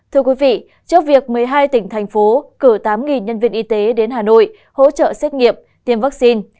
thưa quý vị trước việc một mươi hai tỉnh thành phố cử tám nhân viên y tế đến hà nội hỗ trợ xét nghiệm tiêm vaccine